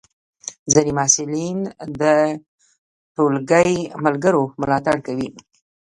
ځینې محصلین د ټولګی ملګرو ملاتړ کوي.